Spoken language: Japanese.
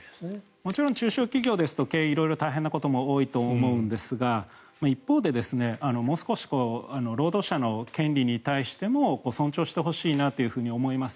もちろん中小企業ですと経営、色々大変なことも多いと思いますが一方でもう少し労働者の権利に対しても尊重してほしいなと思います。